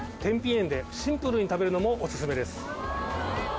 塩でシンプルに食べるのもオススメです。